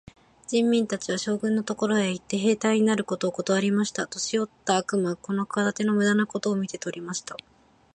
人民たちは、将軍のところへ行って、兵隊になることをことわりました。年よった悪魔はこの企ての駄目なことを見て取りました。